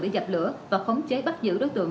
dập lửa và khống chế bắt giữ đối tượng